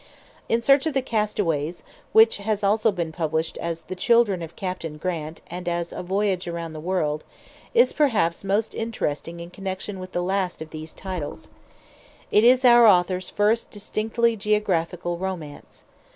"In Search of the Castaways," which has also been published as "The Children of Captain Grant" and as "A Voyage Around the World," is perhaps most interesting in connection with the last of these titles. It is our author's first distinctly geographical romance.